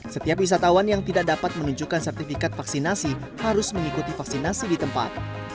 setiap wisatawan yang tidak dapat menunjukkan sertifikat vaksinasi harus mengikuti vaksinasi di tempat